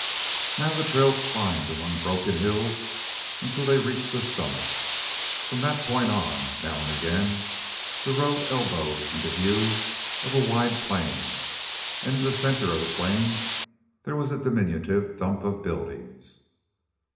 Now the trail climbed among broken hills until they reached a summit. From that point on, now and again the road elbowed into view of a wide plain, and in the center of the plain there was a diminutive dump of buildings.